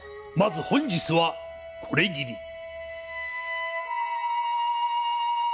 まず本日はこれぎり。